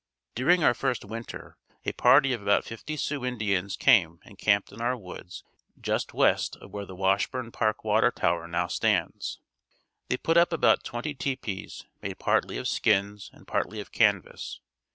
During our first winter, a party of about fifty Sioux Indians came and camped in our woods just west of where the Washburn Park water tower now stands. They put up about twenty tepees, made partly of skins and partly of canvas.